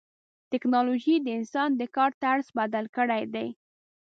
ټکنالوجي د انسان د کار طرز بدل کړی دی.